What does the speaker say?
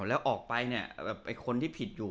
แล้วออกไปเนี่ยคนที่ผิดอยู่